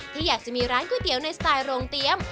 ที่อยากจะมีร้านก๋วยเตี๋ยวในสไตล์โรงเตรียม